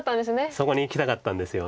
そこにいきたかったんですけど。